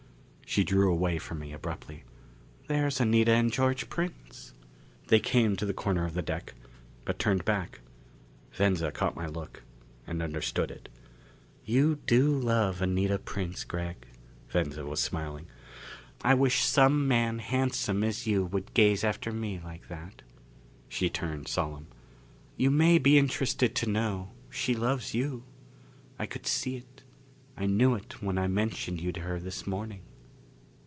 She drew away from me abruptly. "There's Anita and George Prince." They came to the corner of the deck, but turned back. Venza caught my look. And understood it. "You do love Anita Prince, Gregg?" Venza was smiling. "I wish you.... I wish some man handsome as you would gaze after me like that." She turned solemn. "You may be interested to know, she loves you. I could see it. I knew it when I mentioned you to her this morning."